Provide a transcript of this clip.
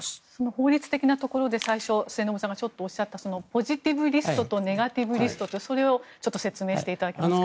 法律的なところで最初末延さんがちょっとおっしゃったポジティブリストとネガティブリストとそれを説明していただけますか。